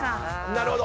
なるほど。